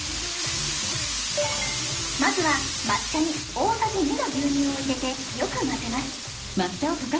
まずは抹茶に大さじ２の牛乳を入れてよく混ぜます。